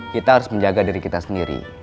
kita harus menjaga diri kita sendiri